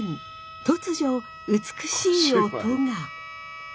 突如美しい音が！？